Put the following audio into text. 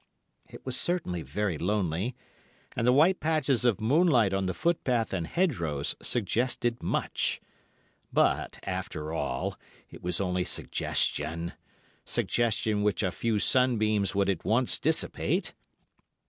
"It was certainly very lonely, and the white patches of moonlight on the footpath and hedgerows suggested much; but, after all, it was only suggestion—suggestion which a few sunbeams would at once dissipate.